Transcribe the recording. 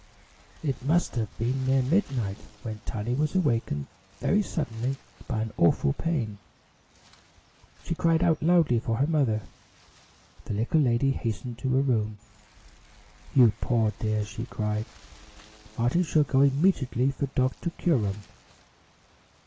It must have been near midnight when Tiny was awakened very suddenly by an awful pain. She cried out loudly for her mother. The little lady hastened to her room. "You poor dear!" she cried. "Martin shall go immediately for Doctor Curum."